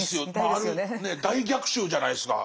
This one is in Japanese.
大逆襲じゃないですか。